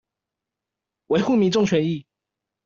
維護民眾權益